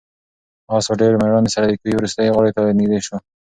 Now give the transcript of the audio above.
آس په ډېرې مېړانې سره د کوهي وروستۍ غاړې ته نږدې شو.